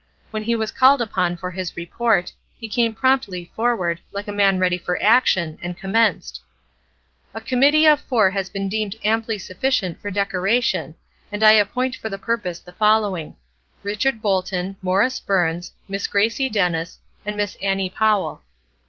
When he was called upon for his report, he came promptly forward, like a man ready for action, and commenced: "A committee of four has been deemed amply sufficient for decoration, and I appoint for the purpose the following: Richard Bolton, Morris Burns, Miss Gracie Dennis, and Miss Annie Powell."